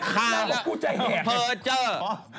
ฆ่าละเผลอเจ้อเปอร์เจอร์